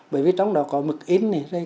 bởi vì trong đó có mực yên này